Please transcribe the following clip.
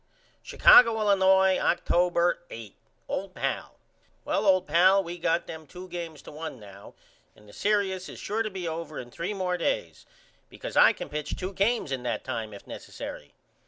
Chicago, Illinois, October 8. OLD PAL: Well old pal we got them 2 games to one now and the serious is sure to be over in three more days because I can pitch 2 games in that time if nessary.